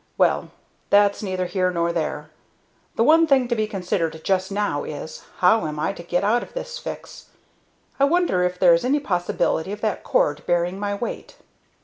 Well, that's neither here nor there. The one thing to be considered just now is, how am I to get out of this fix? I wonder if there is any possibility of that cord bearing my weight."